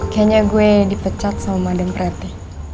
kayaknya gue dipecat sama madam prati